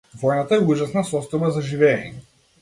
Војната е ужасна состојба за живеење.